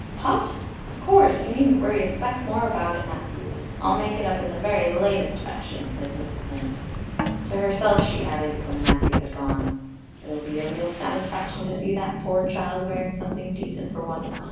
"Puffs? Of course. You needn't worry a speck more about it, Matthew. I'll make it up in the very latest fashion," said Mrs. Lynde. To herself she added when Matthew had gone: "It'll be a real satisfaction to see that poor child wearing something decent for once.